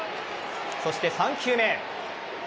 そして３球目。